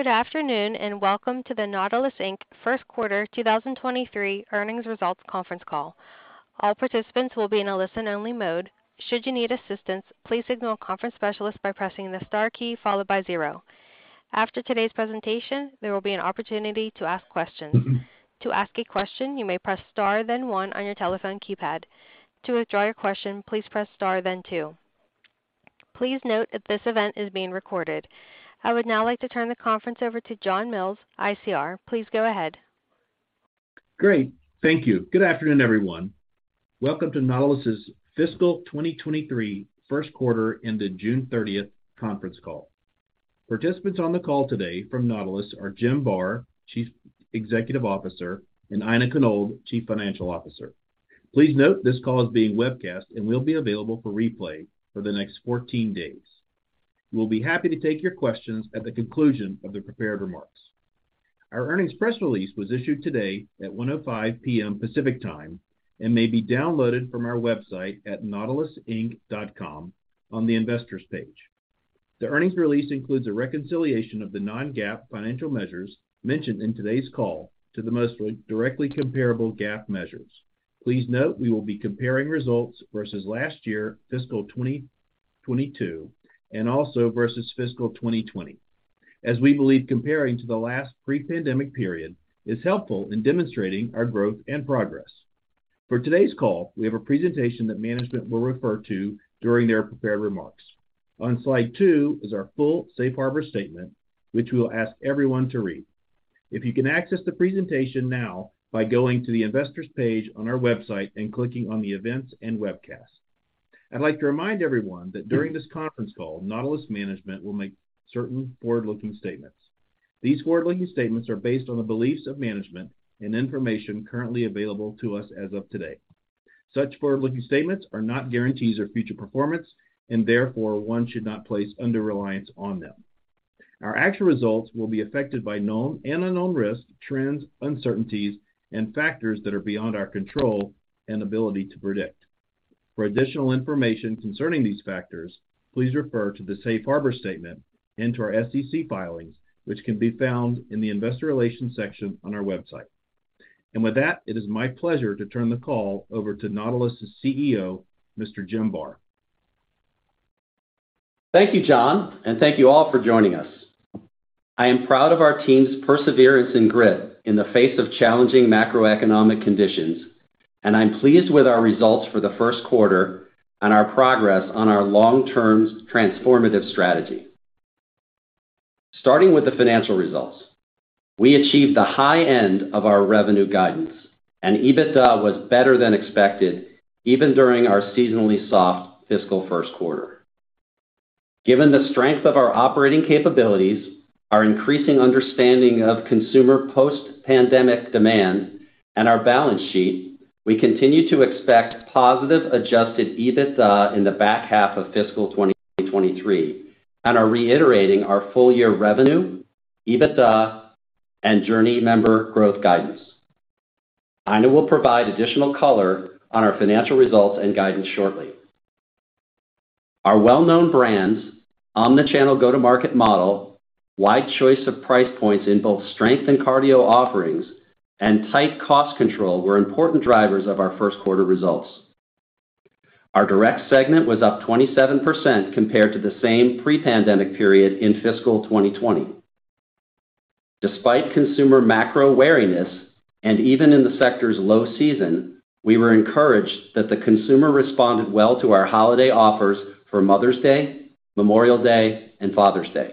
Good afternoon, and welcome to the Nautilus, Inc. first quarter 2023 earnings results conference call. All participants will be in a listen-only mode. Should you need assistance, please signal a conference specialist by pressing the star key followed by zero. After today's presentation, there will be an opportunity to ask questions. To ask a question, you may press star, then one on your telephone keypad. To withdraw your question, please press star then two. Please note that this event is being recorded. I would now like to turn the conference over to John Mills, ICR. Please go ahead. Great. Thank you. Good afternoon, everyone. Welcome to Nautilus's fiscal 2023 first quarter and the June 30th conference call. Participants on the call today from Nautilus are Jim Barr, Chief Executive Officer, and Aina Konold, Chief Financial Officer. Please note this call is being webcast and will be available for replay for the next 14 days. We'll be happy to take your questions at the conclusion of the prepared remarks. Our earnings press release was issued today at 1:05 P.M. Pacific Time and may be downloaded from our website at nautilusinc.com on the Investors page. The earnings release includes a reconciliation of the Non-GAAP financial measures mentioned in today's call to the most directly comparable GAAP measures. Please note, we will be comparing results versus last year, fiscal 2022, and also versus fiscal 2020, as we believe comparing to the last pre-pandemic period is helpful in demonstrating our growth and progress. For today's call, we have a presentation that management will refer to during their prepared remarks. On slide two is our full safe harbor statement, which we'll ask everyone to read. If you can access the presentation now by going to the investors page on our website and clicking on the Events and Webcasts. I'd like to remind everyone that during this conference call, Nautilus management will make certain forward-looking statements. These forward-looking statements are based on the beliefs of management and information currently available to us as of today. Such forward-looking statements are not guarantees of future performance, and therefore, one should not place undue reliance on them. Our actual results will be affected by known and unknown risks, trends, uncertainties, and factors that are beyond our control and ability to predict. For additional information concerning these factors, please refer to the safe harbor statement and to our SEC filings, which can be found in the Investor Relations section on our website. With that, it is my pleasure to turn the call over to Nautilus CEO, Mr. Jim Barr. Thank you, John, and thank you all for joining us. I am proud of our team's perseverance and grit in the face of challenging macroeconomic conditions, and I'm pleased with our results for the first quarter and our progress on our long-term transformative strategy. Starting with the financial results, we achieved the high end of our revenue guidance, and EBITDA was better than expected even during our seasonally soft fiscal first quarter. Given the strength of our operating capabilities, our increasing understanding of consumer post-pandemic demand, and our balance sheet, we continue to expect positive adjusted EBITDA in the back half of fiscal 2023 and are reiterating our full year revenue, EBITDA, and JRNY member growth guidance. Aina will provide additional color on our financial results and guidance shortly. Our well-known brands, omni-channel go-to-market model, wide choice of price points in both strength and cardio offerings, and tight cost control were important drivers of our first quarter results. Our Direct segment was up 27% compared to the same pre-pandemic period in fiscal 2020. Despite consumer macro wariness, and even in the sector's low season, we were encouraged that the consumer responded well to our holiday offers for Mother's Day, Memorial Day, and Father's Day.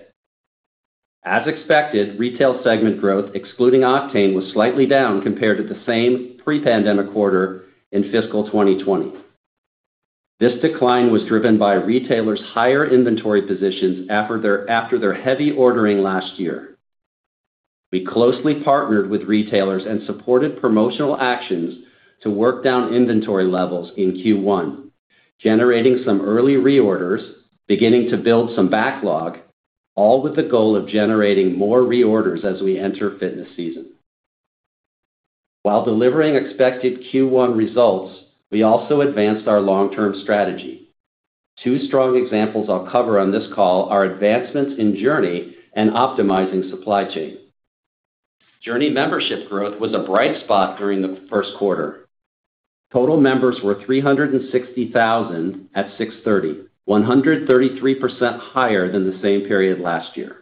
As expected, Retail segment growth, excluding Octane, was slightly down compared to the same pre-pandemic quarter in fiscal 2020. This decline was driven by retailers' higher inventory positions after their heavy ordering last year. We closely partnered with retailers and supported promotional actions to work down inventory levels in Q1, generating some early reorders, beginning to build some backlog, all with the goal of generating more reorders as we enter fitness season. While delivering expected Q1 results, we also advanced our long-term strategy. Two strong examples I'll cover on this call are advancements in JRNY and optimizing supply chain. JRNY membership growth was a bright spot during the first quarter. Total members were 360,000 at 6/30, 133% higher than the same period last year.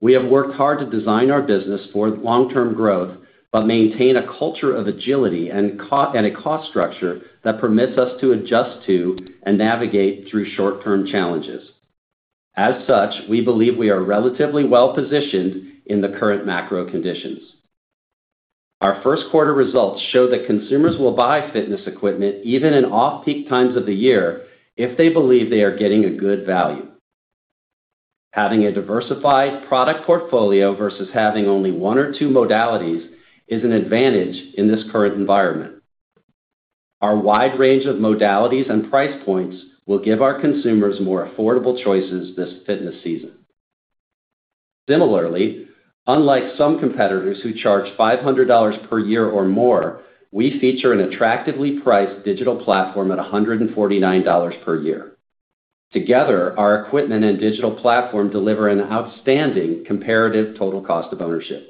We have worked hard to design our business for long-term growth, but maintain a culture of agility and a cost structure that permits us to adjust to and navigate through short-term challenges. As such, we believe we are relatively well-positioned in the current macro conditions. Our first quarter results show that consumers will buy fitness equipment even in off-peak times of the year if they believe they are getting a good value. Having a diversified product portfolio versus having only one or two modalities is an advantage in this current environment. Our wide range of modalities and price points will give our consumers more affordable choices this fitness season. Similarly, unlike some competitors who charge $500 per year or more, we feature an attractively priced digital platform at $149 per year. Together, our equipment and digital platform deliver an outstanding comparative total cost of ownership.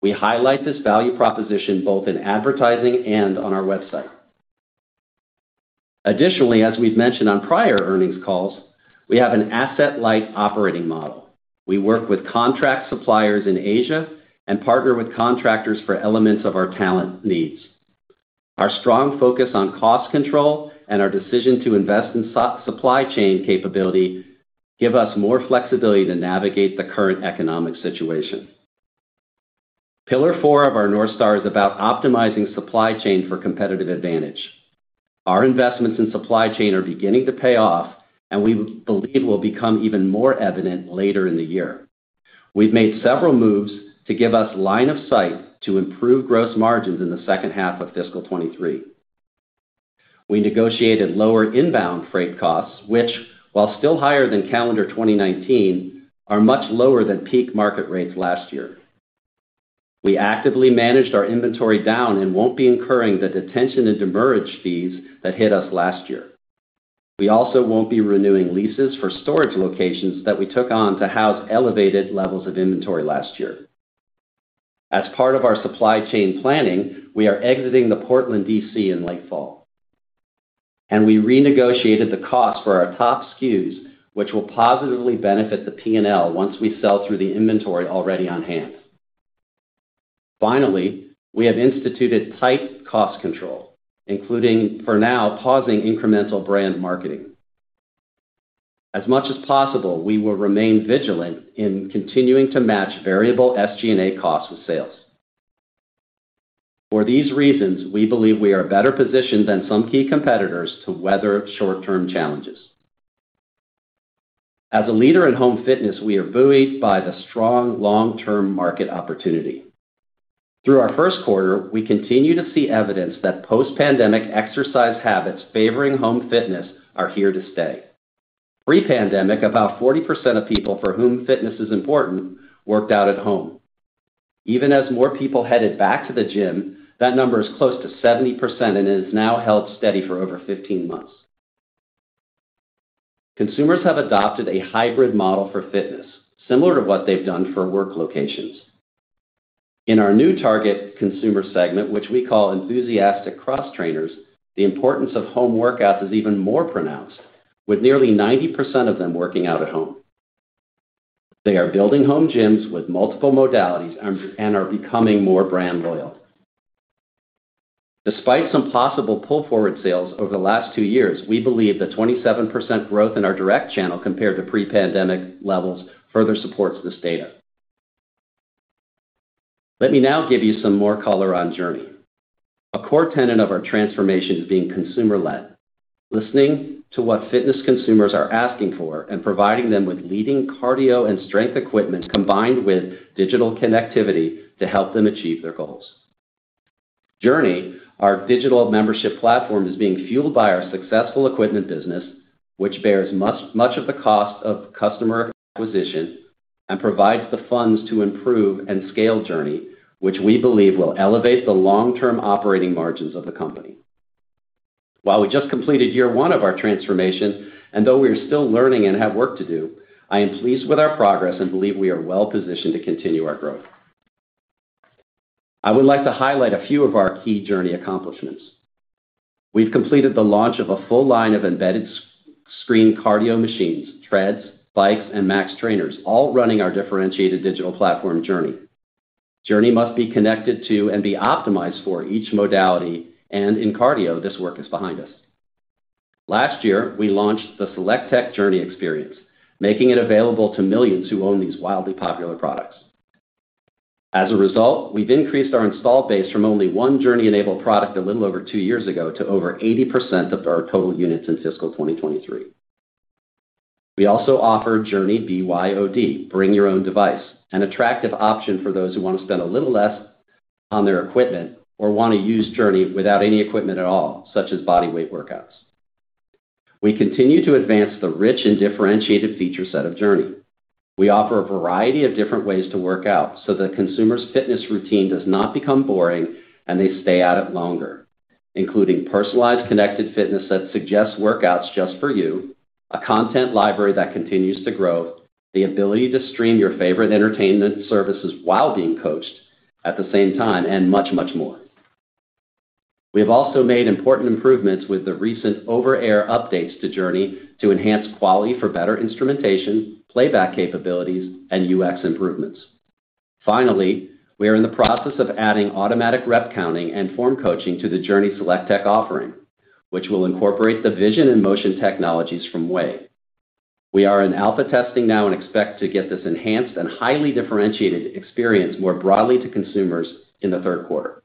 We highlight this value proposition both in advertising and on our website. Additionally, as we've mentioned on prior earnings calls, we have an asset-light operating model. We work with contract suppliers in Asia and partner with contractors for elements of our talent needs. Our strong focus on cost control and our decision to invest in supply chain capability give us more flexibility to navigate the current economic situation. Pillar four of our North Star is about optimizing supply chain for competitive advantage. Our investments in supply chain are beginning to pay off, and we believe will become even more evident later in the year. We've made several moves to give us line of sight to improve gross margins in the second half of fiscal 2023. We negotiated lower inbound freight costs, which, while still higher than calendar 2019, are much lower than peak market rates last year. We actively managed our inventory down and won't be incurring the detention and demurrage fees that hit us last year. We also won't be renewing leases for storage locations that we took on to house elevated levels of inventory last year. As part of our supply chain planning, we are exiting the Portland DC in late fall. We renegotiated the cost for our top SKUs, which will positively benefit the P&L once we sell through the inventory already on hand. Finally, we have instituted tight cost control, including, for now, pausing incremental brand marketing. As much as possible, we will remain vigilant in continuing to match variable SG&A costs with sales. For these reasons, we believe we are better positioned than some key competitors to weather short-term challenges. As a leader in home fitness, we are buoyed by the strong long-term market opportunity. Through our first quarter, we continue to see evidence that post-pandemic exercise habits favoring home fitness are here to stay. Pre-pandemic, about 40% of people for whom fitness is important worked out at home. Even as more people headed back to the gym, that number is close to 70% and has now held steady for over 15 months. Consumers have adopted a hybrid model for fitness, similar to what they've done for work locations. In our new target consumer segment, which we call Enthusiastic Cross-Trainers, the importance of home workouts is even more pronounced, with nearly 90% of them working out at home. They are building home gyms with multiple modalities and are becoming more brand loyal. Despite some possible pull-forward sales over the last two years, we believe the 27% growth in our direct channel compared to pre-pandemic levels further supports this data. Let me now give you some more color on JRNY. A core tenet of our transformation is being consumer-led, listening to what fitness consumers are asking for and providing them with leading cardio and strength equipment combined with digital connectivity to help them achieve their goals. JRNY, our digital membership platform, is being fueled by our successful equipment business, which bears much, much of the cost of customer acquisition and provides the funds to improve and scale JRNY, which we believe will elevate the long-term operating margins of the company. While we just completed year one of our transformation, and though we are still learning and have work to do, I am pleased with our progress and believe we are well positioned to continue our growth. I would like to highlight a few of our key JRNY accomplishments. We've completed the launch of a full line of embedded touchscreen cardio machines, treadmills, bikes, and Max Trainers, all running our differentiated digital platform, JRNY. JRNY must be connected to and be optimized for each modality, and in cardio, this work is behind us. Last year, we launched the SelectTech JRNY experience, making it available to millions who own these wildly popular products. As a result, we've increased our installed base from only one JRNY-enabled product a little over two years ago to over 80% of our total units in fiscal 2023. We also offer JRNY BYOD, Bring Your Own Device, an attractive option for those who want to spend a little less on their equipment or want to use JRNY without any equipment at all, such as bodyweight workouts. We continue to advance the rich and differentiated feature set of JRNY. We offer a variety of different ways to work out so that consumers' fitness routine does not become boring and they stay at it longer, including personalized, connected fitness that suggests workouts just for you, a content library that continues to grow, the ability to stream your favorite entertainment services while being coached at the same time, and much, much more. We have also made important improvements with the recent over-the-air updates to JRNY to enhance quality for better instrumentation, playback capabilities, and UX improvements. Finally, we are in the process of adding automatic rep counting and form coaching to the JRNY SelectTech offering, which will incorporate the vision and motion technologies from VAY. We are in alpha testing now and expect to get this enhanced and highly differentiated experience more broadly to consumers in the third quarter.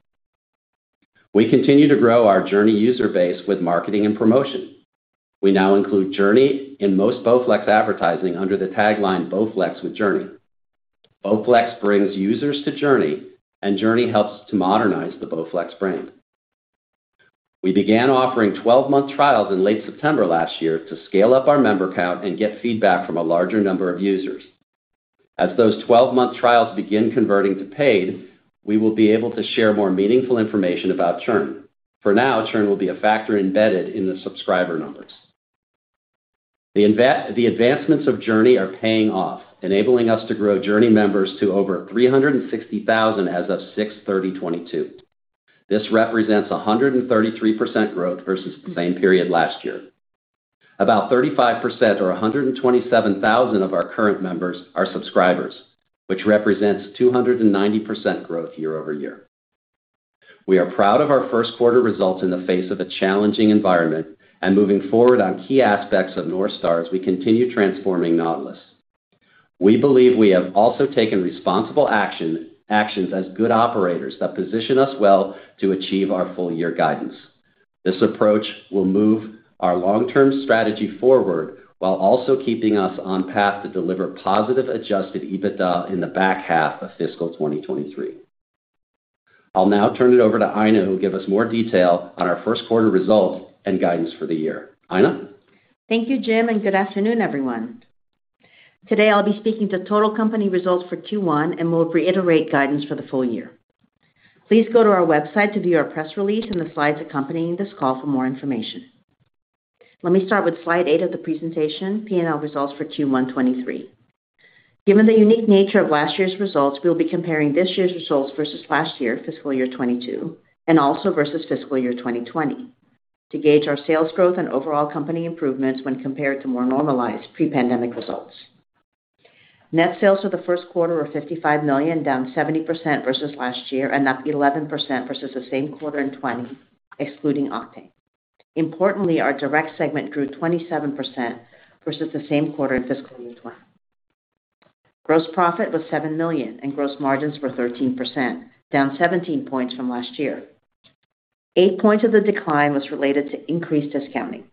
We continue to grow our JRNY user base with marketing and promotion. We now include JRNY in most BowFlex advertising under the tagline BowFlex with JRNY. BowFlex brings users to JRNY, and JRNY helps to modernize the BowFlex brand. We began offering 12-month trials in late September last year to scale up our member count and get feedback from a larger number of users. As those 12-month trials begin converting to paid, we will be able to share more meaningful information about churn. For now, churn will be a factor embedded in the subscriber numbers. The advancements of JRNY are paying off, enabling us to grow JRNY members to over 360,000 as of 6/30/2022. This represents 133% growth versus the same period last year. About 35% or 127,000 of our current members are subscribers, which represents 290% growth year over year. We are proud of our first quarter results in the face of a challenging environment and moving forward on key aspects of North Star as we continue transforming Nautilus. We believe we have also taken responsible actions as good operators that position us well to achieve our full year guidance. This approach will move our long-term strategy forward while also keeping us on path to deliver positive adjusted EBITDA in the back half of fiscal 2023. I'll now turn it over to Aina, who'll give us more detail on our first quarter results and guidance for the year. Aina. Thank you, Jim, and good afternoon, everyone. Today, I'll be speaking to total company results for Q1, and we'll reiterate guidance for the full year. Please go to our website to view our press release and the slides accompanying this call for more information. Let me start with slide eight of the presentation, P&L results for Q1 2023. Given the unique nature of last year's results, we'll be comparing this year's results versus last year, fiscal year 2022, and also versus fiscal year 2020 to gauge our sales growth and overall company improvements when compared to more normalized pre-pandemic results. Net sales for the first quarter were $55 million, down 70% versus last year and up 11% versus the same quarter in 2020, excluding Octane. Importantly, our direct segment grew 27% versus the same quarter in fiscal year 2020. Gross profit was $7 million and gross margins were 13%, down 17 points from last year. Eight points of the decline was related to increased discounting.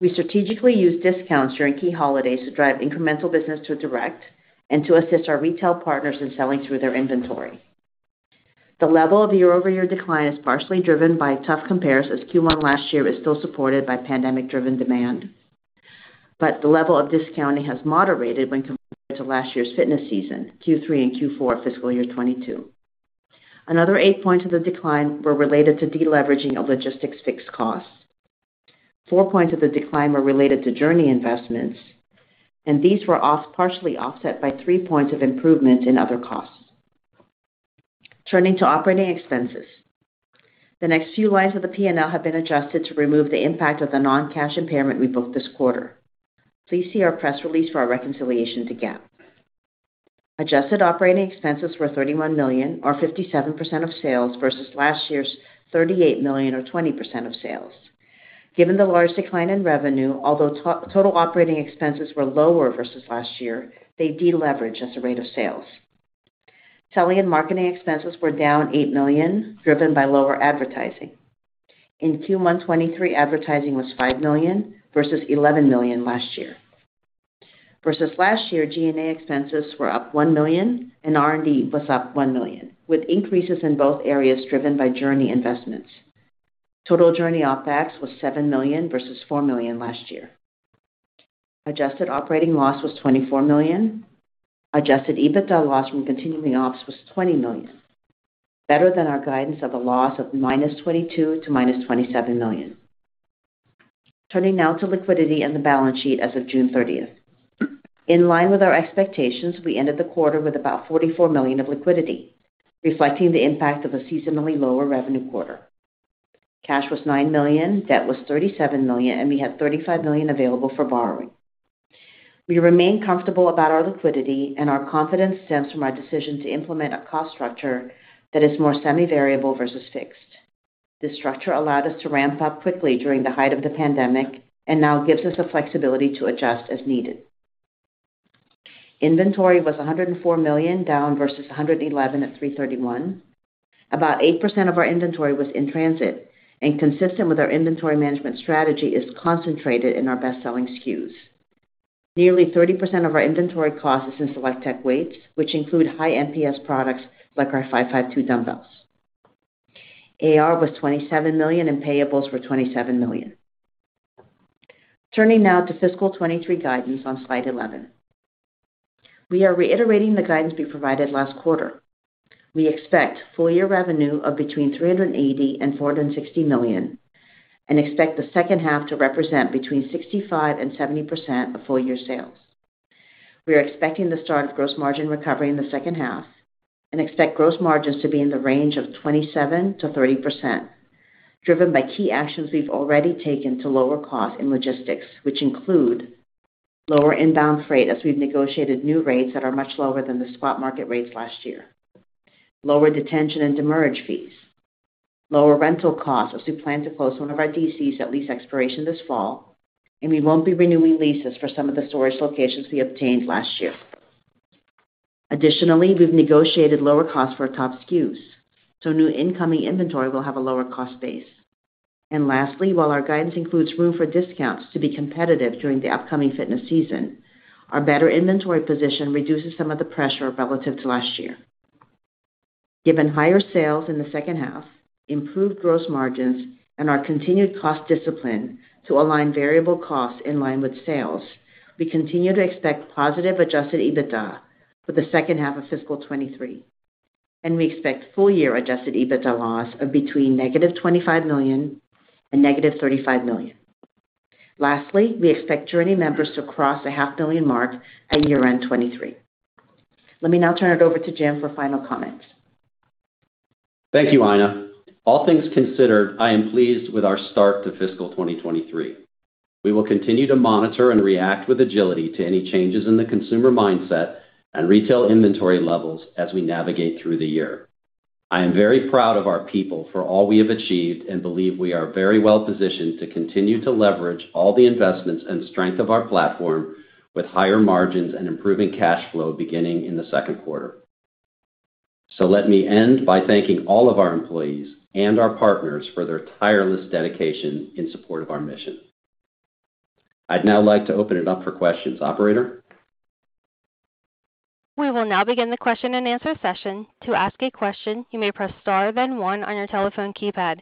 We strategically used discounts during key holidays to drive incremental business to direct and to assist our retail partners in selling through their inventory. The level of the year-over-year decline is partially driven by tough compares as Q1 last year is still supported by pandemic-driven demand. The level of discounting has moderated when compared to last year's fitness season, Q3 and Q4 fiscal year 2022. Another eight points of the decline were related to deleveraging of logistics fixed costs. four points of the decline were related to JRNY investments, and these were partially offset by four points of improvement in other costs. Turning to operating expenses. The next few lines of the P&L have been adjusted to remove the impact of the non-cash impairment we booked this quarter. Please see our press release for our reconciliation to GAAP. Adjusted operating expenses were $31 million or 57% of sales versus last year's $38 million or 20% of sales. Given the large decline in revenue, although total operating expenses were lower versus last year, they deleveraged as a rate of sales. Selling and marketing expenses were down $8 million, driven by lower advertising. In Q1 2023, advertising was $5 million versus $11 million last year. Versus last year, G&A expenses were up $1 million, and R&D was up $1 million, with increases in both areas driven by JRNY investments. Total JRNY OpEx was $7 million versus $4 million last year. Adjusted operating loss was $24 million. Adjusted EBITDA loss from continuing ops was $20 million, better than our guidance of a loss of -$22 million-$27 million. Turning now to liquidity and the balance sheet as of June 30. In line with our expectations, we ended the quarter with about $44 million of liquidity, reflecting the impact of a seasonally lower revenue quarter. Cash was $9 million, debt was $37 million, and we had $35 million available for borrowing. We remain comfortable about our liquidity, and our confidence stems from our decision to implement a cost structure that is more semi-variable versus fixed. This structure allowed us to ramp up quickly during the height of the pandemic and now gives us the flexibility to adjust as needed. Inventory was $104 million, down versus $111 at 3/31. About 8% of our inventory was in transit and, consistent with our inventory management strategy, is concentrated in our best-selling SKUs. Nearly 30% of our inventory cost is in SelectTech weights, which include high NPS products like our SelectTech 552 dumbbells. AR was $27 million and payables were $27 million. Turning now to fiscal 2023 guidance on slide 11. We are reiterating the guidance we provided last quarter. We expect full year revenue of between $380 million and $460 million and expect the second half to represent between 65% and 70% of full year sales. We are expecting the start of gross margin recovery in the second half and expect gross margins to be in the range of 27%-30%, driven by key actions we've already taken to lower cost in logistics, which include lower inbound freight as we've negotiated new rates that are much lower than the spot market rates last year. Lower detention and demurrage fees. Lower rental costs as we plan to close one of our DCs at lease expiration this fall, and we won't be renewing leases for some of the storage locations we obtained last year. Additionally, we've negotiated lower costs for our top SKUs, so new incoming inventory will have a lower cost base. Lastly, while our guidance includes room for discounts to be competitive during the upcoming fitness season, our better inventory position reduces some of the pressure relative to last year. Given higher sales in the second half, improved gross margins, and our continued cost discipline to align variable costs in line with sales, we continue to expect positive adjusted EBITDA for the second half of fiscal 2023, and we expect full-year adjusted EBITDA loss of between negative $25 million and negative $35 million. Lastly, we expect JRNY members to cross the half billion mark at year-end 2023. Let me now turn it over to Jim for final comments. Thank you, Aina. All things considered, I am pleased with our start to fiscal 2023. We will continue to monitor and react with agility to any changes in the consumer mindset and retail inventory levels as we navigate through the year. I am very proud of our people for all we have achieved and believe we are very well-positioned to continue to leverage all the investments and strength of our platform with higher margins and improving cash flow beginning in the second quarter. Let me end by thanking all of our employees and our partners for their tireless dedication in support of our mission. I'd now like to open it up for questions. Operator? We will now begin the question-and-answer session. To ask a question, you may press Star, then one on your telephone keypad.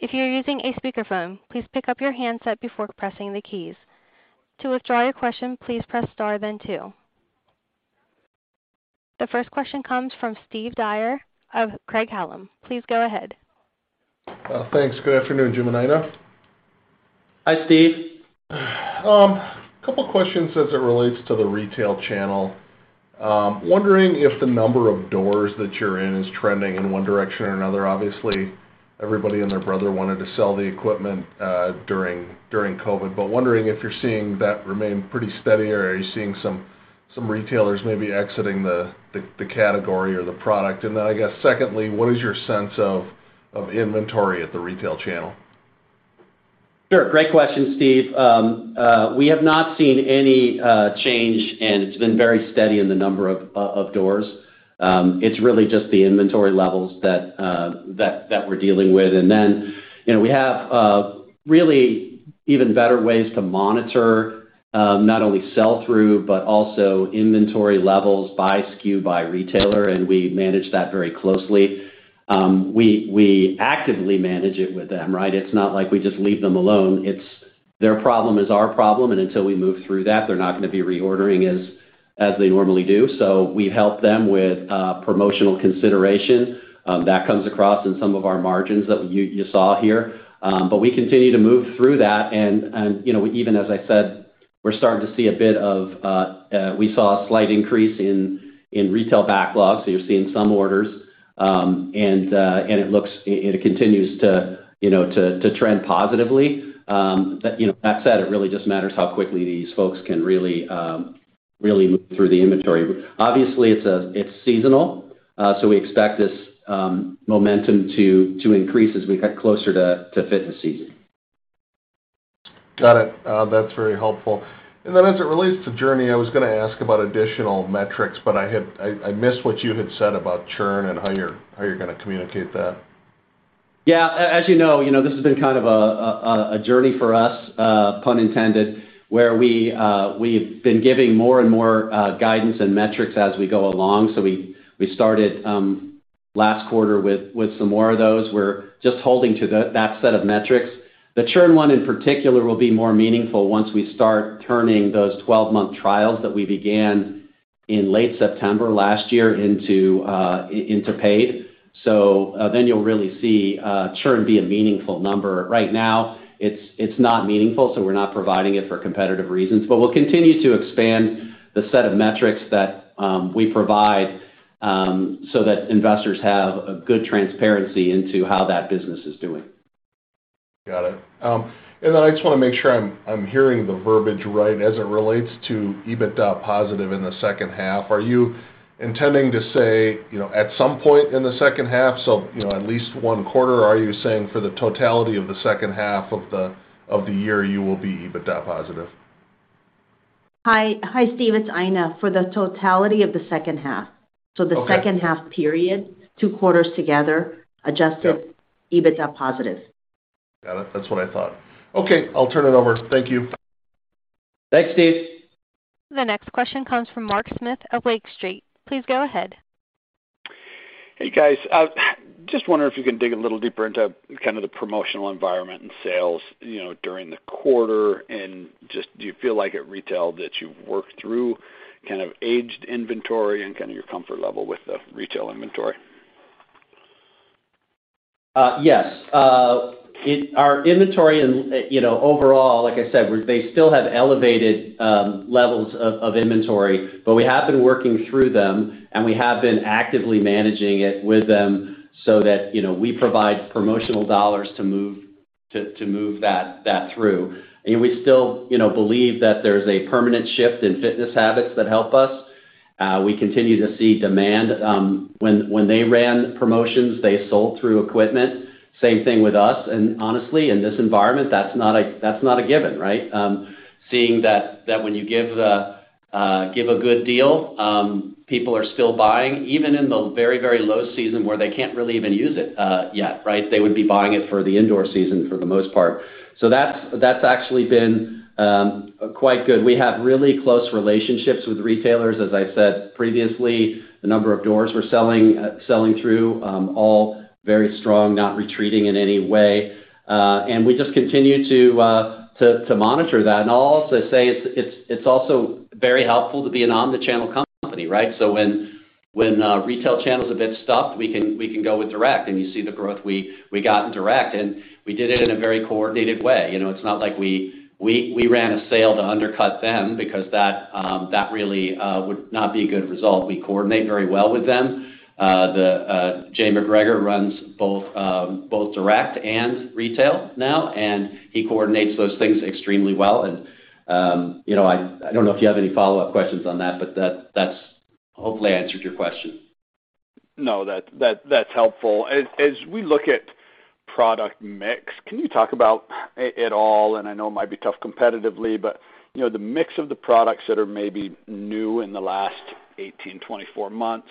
If you're using a speakerphone, please pick up your handset before pressing the keys. To withdraw your question, please press Star then two. The first question comes from Steve Dyer of Craig-Hallum. Please go ahead. Thanks. Good afternoon, Jim and Aina. Hi, Steve. Couple questions as it relates to the retail channel. Wondering if the number of doors that you're in is trending in one direction or another. Obviously, everybody and their brother wanted to sell the equipment during COVID, but wondering if you're seeing that remain pretty steady, or are you seeing some retailers maybe exiting the category or the product? I guess secondly, what is your sense of inventory at the retail channel? Sure. Great question, Steve. We have not seen any change, and it's been very steady in the number of doors. It's really just the inventory levels that we're dealing with. You know, we have really even better ways to monitor not only sell-through, but also inventory levels by SKU, by retailer, and we manage that very closely. We actively manage it with them, right? It's not like we just leave them alone. It's their problem is our problem, and until we move through that, they're not gonna be reordering as they normally do. We help them with promotional consideration that comes across in some of our margins that you saw here. We continue to move through that and, you know, even as I said, we saw a slight increase in retail backlog, so you're seeing some orders. It continues to, you know, trend positively. You know, that said, it really just matters how quickly these folks can really move through the inventory. Obviously, it's seasonal, so we expect this momentum to increase as we get closer to fitness season. Got it. That's very helpful. As it relates to JRNY, I was gonna ask about additional metrics, but I missed what you had said about churn and how you're gonna communicate that. Yeah. As you know, you know, this has been kind of a journey for us, pun intended, where we've been giving more and more guidance and metrics as we go along. We started last quarter with some more of those. We're just holding to that set of metrics. The churn one in particular will be more meaningful once we start turning those 12-month trials that we began in late September last year into paid. Then you'll really see churn be a meaningful number. Right now, it's not meaningful, so we're not providing it for competitive reasons. We'll continue to expand the set of metrics that we provide so that investors have a good transparency into how that business is doing. Got it. I just wanna make sure I'm hearing the verbiage right. As it relates to EBITDA positive in the second half, are you intending to say, you know, at some point in the second half, so, you know, at least one quarter? Are you saying for the totality of the second half of the year you will be EBITDA positive? Hi. Hi, Steve. It's Aina. For the totality of the second half. Okay. The second half period, two quarters together. Yeah. adjusted EBITDA positive. Got it. That's what I thought. Okay, I'll turn it over. Thank you. Thanks, Steve. The next question comes from Mark Smith of Lake Street. Please go ahead. Hey, guys. Just wondering if you can dig a little deeper into kind of the promotional environment and sales, you know, during the quarter. Just do you feel like at retail that you've worked through kind of aged inventory and kind of your comfort level with the retail inventory? Yes. Our inventory and, you know, overall, like I said, they still have elevated levels of inventory, but we have been working through them, and we have been actively managing it with them so that, you know, we provide promotional dollars to move that through. We still, you know, believe that there's a permanent shift in fitness habits that help us. We continue to see demand. When they ran promotions, they sold through equipment. Same thing with us. Honestly, in this environment, that's not a given, right? Seeing that when you give a good deal, people are still buying, even in the very low season where they can't really even use it yet, right? They would be buying it for the indoor season for the most part. That's actually been quite good. We have really close relationships with retailers. As I said previously, the number of doors we're selling through all very strong, not retreating in any way. We just continue to monitor that. I'll also say it's also very helpful to be an omni-channel company, right? When retail channel is a bit stuffed, we can go with direct, and you see the growth we got in direct, and we did it in a very coordinated way. You know, it's not like we ran a sale to undercut them because that really would not be a good result. We coordinate very well with them. Jay McGregor runs both direct and retail now, and he coordinates those things extremely well. You know, I don't know if you have any follow-up questions on that, but that's hopefully answered your question. No. That's helpful. As we look at product mix, can you talk about it at all, and I know it might be tough competitively, but, you know, the mix of the products that are maybe new in the last 18, 24 months.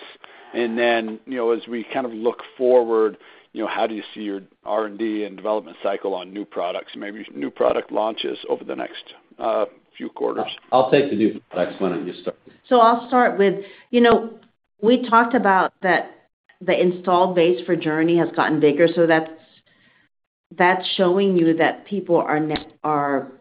Then, you know, as we kind of look forward, you know, how do you see your R&D and development cycle on new products, maybe new product launches over the next few quarters? I'll take the new products. Why don't you start? I'll start with, you know, we talked about that the install base for JRNY has gotten bigger. That's showing you that people are attracted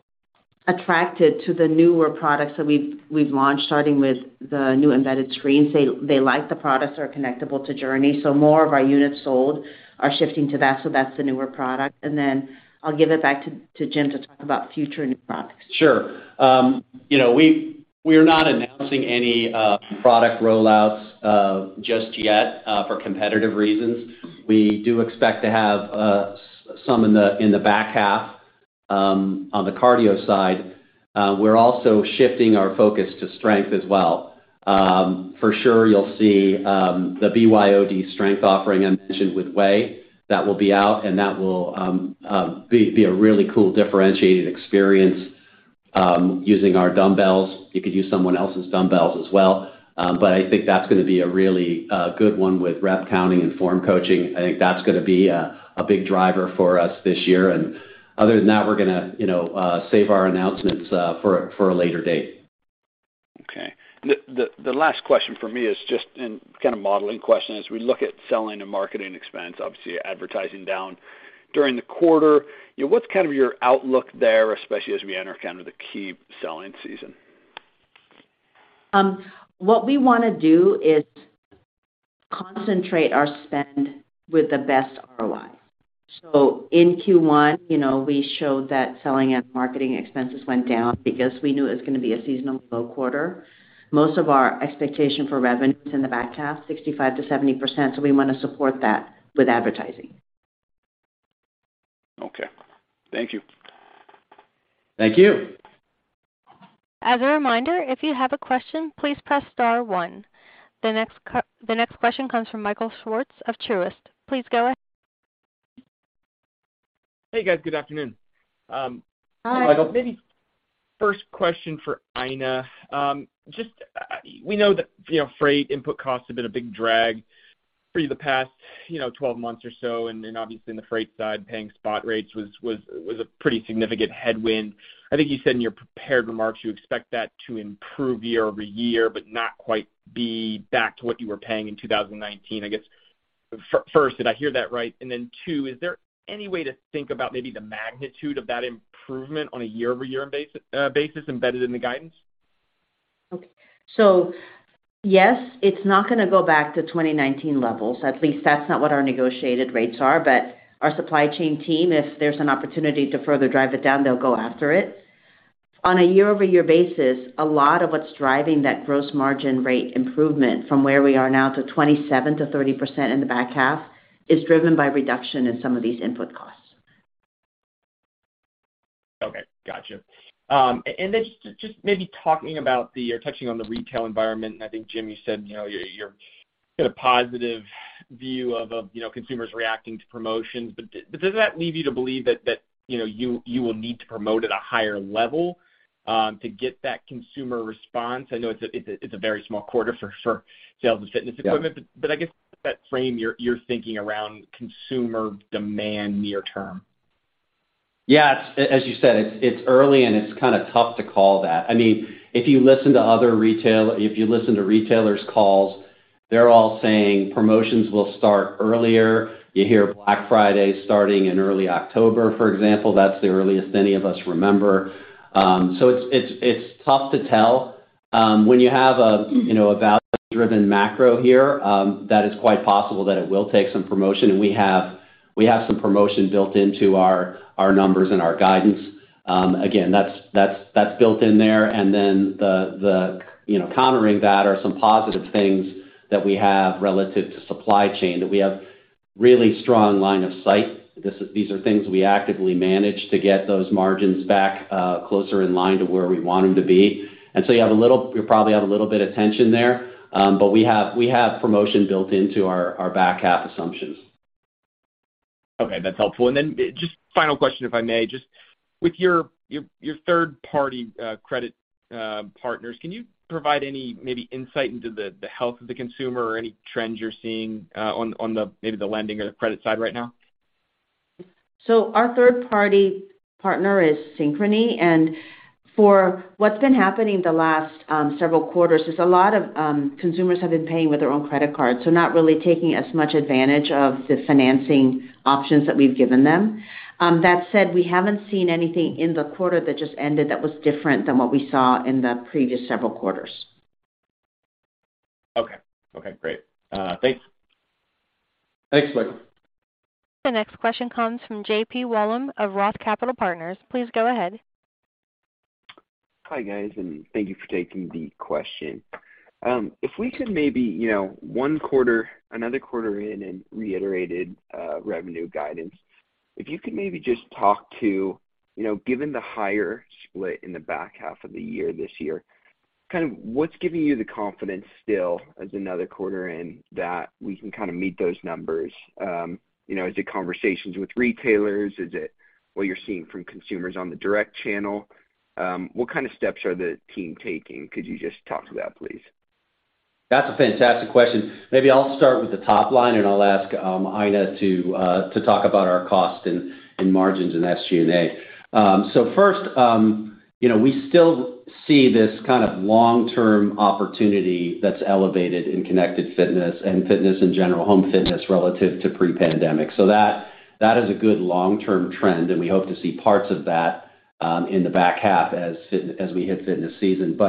to the newer products that we've launched, starting with the new embedded screens. They like the products that are connectable to JRNY, so more of our units sold are shifting to that, so that's the newer product. Then I'll give it back to Jim to talk about future new products. Sure. You know, we're not announcing any product rollouts just yet for competitive reasons. We do expect to have some in the back half on the cardio side. We're also shifting our focus to strength as well. For sure you'll see the BYOD strength offering I mentioned with Weigh that will be out, and that will be a really cool differentiated experience using our dumbbells. You could use someone else's dumbbells as well. But I think that's gonna be a really good one with rep counting and form coaching. I think that's gonna be a big driver for us this year. Other than that, we're gonna, you know, save our announcements for a later date. Okay. The last question from me is just kind of modeling question. As we look at selling and marketing expense, obviously advertising down during the quarter, you know, what's kind of your outlook there, especially as we enter kind of the key selling season? What we wanna do is concentrate our spend with the best ROI. In Q1, you know, we showed that selling and marketing expenses went down because we knew it was gonna be a seasonally low quarter. Most of our expectation for revenue is in the back half, 65%-70%, so we wanna support that with advertising. Okay. Thank you. Thank you. As a reminder, if you have a question, please press star one. The next question comes from Michael Swartz of Truist. Please go ahead. Hey, guys. Good afternoon. Hi. Michael. Maybe first question for Aina. Just, we know that, you know, freight input costs have been a big drag for you the past, you know, 12 months or so, and then obviously in the freight side, paying spot rates was a pretty significant headwind. I think you said in your prepared remarks you expect that to improve year-over-year, but not quite be back to what you were paying in 2019. I guess, first, did I hear that right? And then two, is there any way to think about maybe the magnitude of that improvement on a year-over-year basis embedded in the guidance? Okay. Yes, it's not gonna go back to 2019 levels. At least that's not what our negotiated rates are. Our supply chain team, if there's an opportunity to further drive it down, they'll go after it. On a year-over-year basis, a lot of what's driving that gross margin rate improvement from where we are now to 27%-30% in the back half is driven by reduction in some of these input costs. Okay. Gotcha. Just maybe touching on the retail environment, and I think, Jim, you said, you know, you're in a positive view of you know, consumers reacting to promotions. Does that lead you to believe that, you know, you will need to promote at a higher level to get that consumer response? I know it's a very small quarter for sales and fitness equipment. Yeah. I guess that frames your thinking around consumer demand near term. Yeah. As you said, it's early and it's kinda tough to call that. I mean, if you listen to retailers' calls, they're all saying promotions will start earlier. You hear Black Friday starting in early October, for example. That's the earliest any of us remember. So it's tough to tell. When you have a value-driven macro here, that is quite possible that it will take some promotion, and we have some promotion built into our numbers and our guidance. Again, that's built in there. Then, the countering that are some positive things that we have relative to supply chain, that we have really strong line of sight. These are things we actively manage to get those margins back closer in line to where we want them to be. You probably have a little bit of tension there. We have promotion built into our back half assumptions. Okay, that's helpful. Just final question, if I may. Just with your third-party credit partners, can you provide any maybe insight into the health of the consumer or any trends you're seeing on maybe the lending or the credit side right now? Our third-party partner is Synchrony, and for what's been happening the last several quarters is a lot of consumers have been paying with their own credit cards, so not really taking as much advantage of the financing options that we've given them. That said, we haven't seen anything in the quarter that just ended that was different than what we saw in the previous several quarters. Okay, great. Thanks. Thanks, Blake. The next question comes from JP Wollam of ROTH Capital Partners. Please go ahead. Hi, guys, and thank you for taking the question. If we could maybe, you know, another quarter in and reiterated revenue guidance. If you could maybe just talk to, you know, given the higher split in the back half of the year this year, kind of what's giving you the confidence still as another quarter in that we can kind of meet those numbers? You know, is it conversations with retailers? Is it what you're seeing from consumers on the direct channel? What kind of steps are the team taking? Could you just talk to that, please? That's a fantastic question. Maybe I'll start with the top line, and I'll ask Aina to talk about our cost and margins and SG&A. First, you know, we still see this kind of long-term opportunity that's elevated in connected fitness and fitness in general, home fitness relative to pre-pandemic. That is a good long-term trend, and we hope to see parts of that in the back half as we hit fitness season.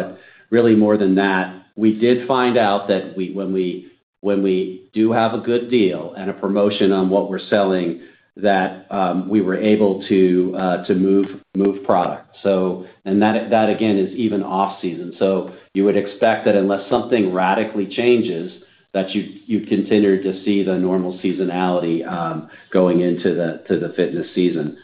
Really more than that, we did find out that when we do have a good deal and a promotion on what we're selling, that we were able to move product. That again is even off-season. You would expect that unless something radically changes, that you'd continue to see the normal seasonality, going into the fitness season.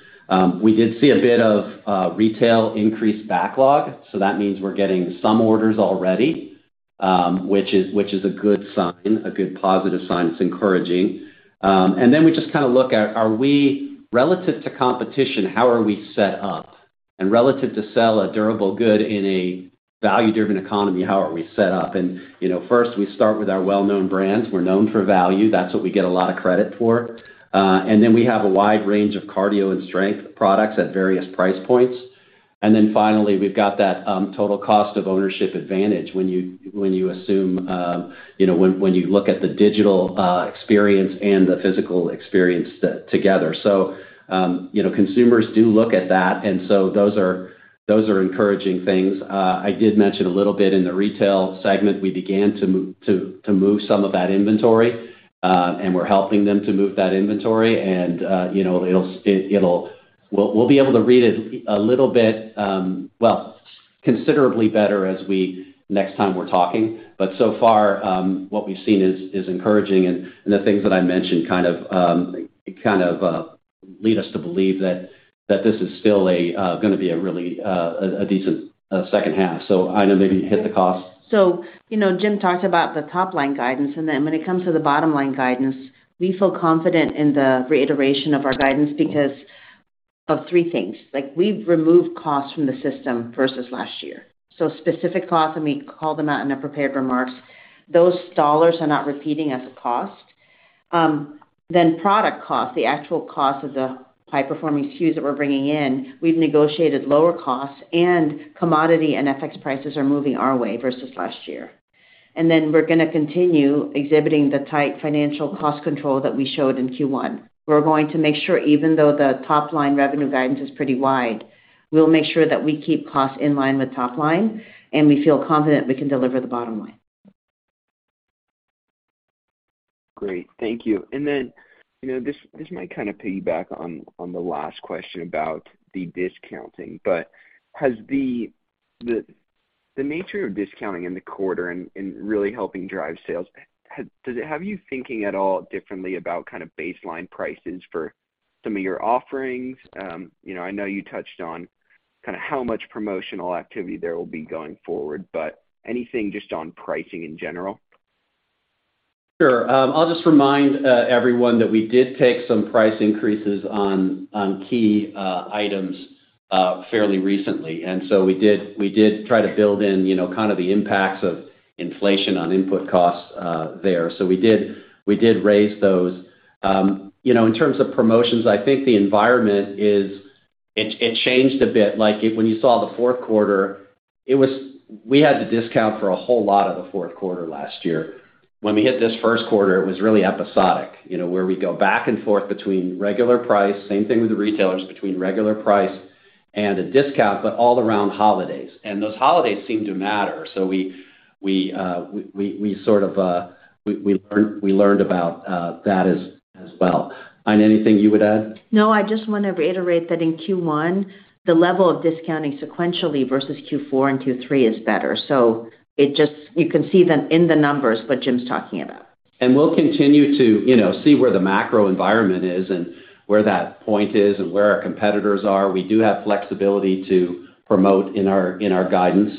We did see a bit of retail increased backlog, so that means we're getting some orders already, which is a good sign, a good positive sign. It's encouraging. Then we just kind of look at, are we relative to competition, how are we set up? And relative to selling a durable good in a value-driven economy, how are we set up? You know, first, we start with our well-known brands. We're known for value. That's what we get a lot of credit for. Then we have a wide range of cardio and strength products at various price points. Finally, we've got that total cost of ownership advantage when you assume you know, when you look at the digital experience and the physical experience together. You know, consumers do look at that, and so those are encouraging things. I did mention a little bit in the retail segment. We began to move some of that inventory, and we're helping them to move that inventory, and you know, we'll be able to read it a little bit, well, considerably better next time we're talking. So far, what we've seen is encouraging and the things that I mentioned kind of lead us to believe that this is still gonna be a really decent second half. Aina, maybe hit the cost. You know, Jim talked about the top-line guidance, and then when it comes to the bottom-line guidance, we feel confident in the reiteration of our guidance because of three things. Like, we've removed costs from the system versus last year. Specific costs, and we called them out in our prepared remarks, those dollars are not repeating as a cost. Product cost, the actual cost of the high-performing SKUs that we're bringing in, we've negotiated lower costs and commodity and FX prices are moving our way versus last year. We're gonna continue exhibiting the tight financial cost control that we showed in Q1. We're going to make sure even though the top-line revenue guidance is pretty wide, we'll make sure that we keep costs in line with top line, and we feel confident we can deliver the bottom line. Great. Thank you. You know, this might kind of piggyback on the last question about the discounting, but has the nature of discounting in the quarter and really helping drive sales, does it have you thinking at all differently about kind of baseline prices for some of your offerings? You know, I know you touched on kinda how much promotional activity there will be going forward, but anything just on pricing in general? Sure. I'll just remind everyone that we did take some price increases on key items fairly recently. We did try to build in, you know, kind of the impacts of inflation on input costs there. We did raise those. You know, in terms of promotions, I think the environment is. It changed a bit. Like, when you saw the fourth quarter, we had to discount for a whole lot of the fourth quarter last year. When we hit this first quarter, it was really episodic, you know, where we go back and forth between regular price, same thing with the retailers, between regular price and a discount, but all around holidays. Those holidays seem to matter. We sort of learned about that as well. Aina, anything you would add? No, I just wanna reiterate that in Q1, the level of discounting sequentially versus Q4 and Q3 is better. You can see that in the numbers what Jim's talking about. We'll continue to, you know, see where the macro environment is and where that point is and where our competitors are. We do have flexibility to promote in our, in our guidance.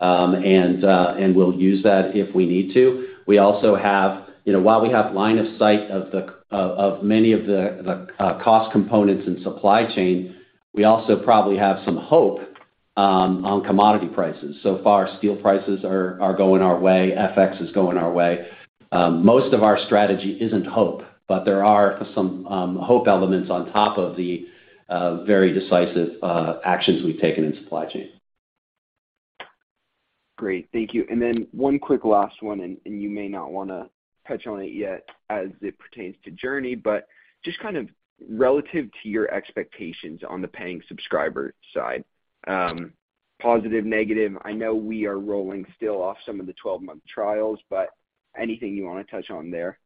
We'll use that if we need to. We also have you know, while we have line of sight of many of the cost components in supply chain, we also probably have some hope on commodity prices. So far, steel prices are going our way, FX is going our way. Most of our strategy isn't hope, but there are some hope elements on top of the very decisive actions we've taken in supply chain. Great. Thank you. One quick last one, and you may not wanna touch on it yet as it pertains to JRNY, but just kind of relative to your expectations on the paying subscriber side, positive, negative. I know we are rolling still off some of the 12-month trials, but anything you wanna touch on there?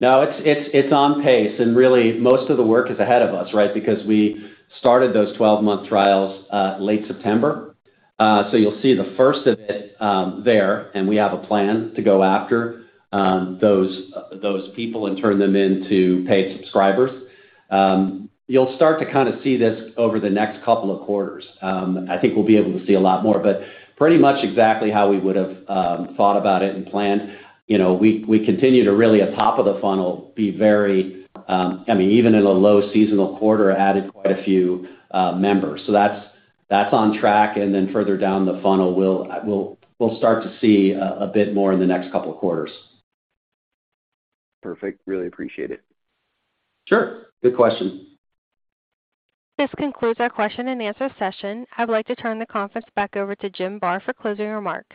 No, it's on pace, and really most of the work is ahead of us, right? Because we started those 12-month trials late September. You'll see the first of it there, and we have a plan to go after those people and turn them into paying subscribers. You'll start to kinda see this over the next couple of quarters. I think we'll be able to see a lot more. Pretty much exactly how we would've thought about it and planned. You know, we continue to really at top of the funnel be very, I mean, even in a low seasonal quarter, added quite a few members. That's on track, and then further down the funnel, we'll start to see a bit more in the next couple of quarters. Perfect. Really appreciate it. Sure. Good question. This concludes our question and answer session. I'd like to turn the conference back over to Jim Barr for closing remarks.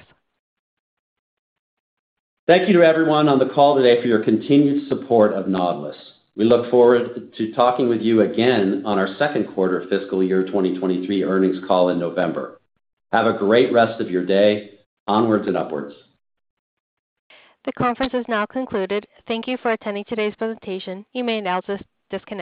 Thank you to everyone on the call today for your continued support of Nautilus. We look forward to talking with you again on our second quarter fiscal year 2023 earnings call in November. Have a great rest of your day. Onwards and upwards. The conference is now concluded. Thank you for attending today's presentation. You may now disconnect.